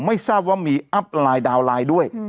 ไม่ทราบว่ามีอัพไลน์ดาวน์ไลน์ด้วย